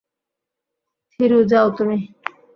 থিরু, যাও তুমি।